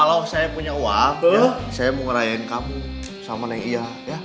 kalau saya punya uang saya mau ngerayain kamu sama nenek iya